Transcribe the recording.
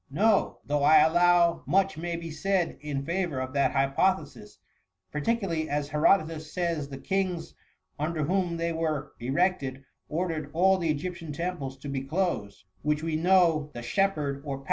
*^ No ; though I allow much may be said in favour of that hypothesis, particularly as He rodotus says the kings under whom they were erected, ordered all the Egyptian temples to be closed, which we know the shepherd or VOL.